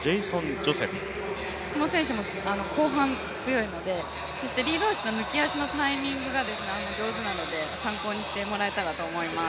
この選手も後半強いのでそしてリード足の抜き足のタイミングが上手なので参考にしてもらえたらと思います。